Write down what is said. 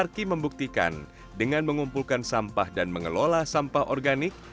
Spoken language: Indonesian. arki membuktikan dengan mengumpulkan sampah dan mengelola sampah organik